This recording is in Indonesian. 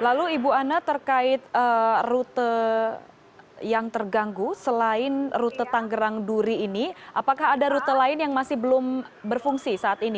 lalu ibu anna terkait rute yang terganggu selain rute tanggerang duri ini apakah ada rute lain yang masih belum berfungsi saat ini